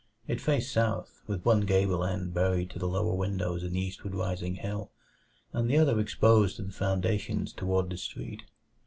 It faced south, with one gable end buried to the lower windows in the eastward rising hill, and the other exposed to the foundations toward the street.